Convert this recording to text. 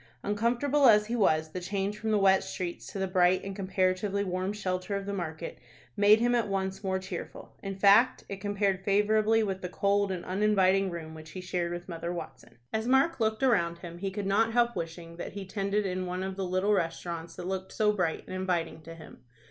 Uncomfortable as he was, the change from the wet streets to the bright and comparatively warm shelter of the market made him at once more cheerful. In fact, it compared favorably with the cold and uninviting room which he shared with Mother Watson. As Mark looked around him, he could not help wishing that he tended in one of the little restaurants that looked so bright and inviting to him.